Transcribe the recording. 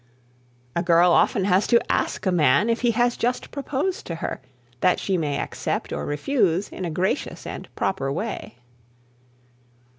A girl often has to ask a man if he has just proposed to her, that she may accept or refuse, in a gracious and proper way.